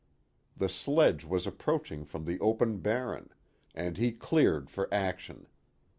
The sledge was approaching from the open Barren, and he cleared for action.